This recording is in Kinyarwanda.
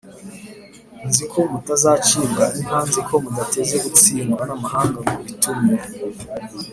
.Nzi ko mutazacibwa inka: nzi ko mudateze gutsindwa n’amahanga ngo bitume